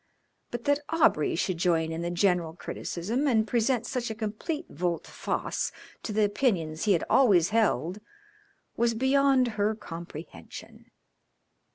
But that Aubrey should join in the general criticism and present such a complete volte face to the opinions he had always held was beyond her comprehension.